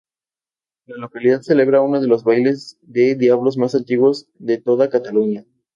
La localidad celebra uno de los bailes de diablos más antiguos de toda Cataluña.